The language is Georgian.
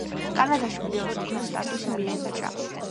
კანადაში ვიდეოს ოქროს სტატუსი მიენიჭა.